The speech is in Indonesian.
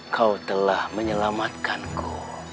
kau telah menyelamatkanku